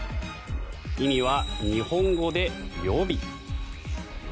意味は日本語で予備。